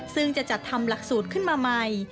ซึ่งจะจัดทำหลักสูตรขึ้นมาใหม่